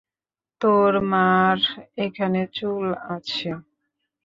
তোর মার এখানে চুল আছে?